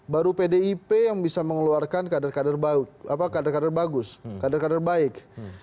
baru pdip yang bisa mengeluarkan kader kader bagus kader kader baik